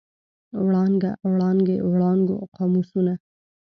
وړانګه، وړانګې، وړانګو، قاموسونه.